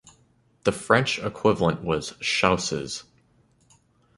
The French equivalent was "chausses".